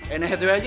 eh naik duit aja